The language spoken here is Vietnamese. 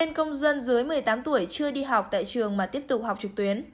nên công dân dưới một mươi tám tuổi chưa đi học tại trường mà tiếp tục học trực tuyến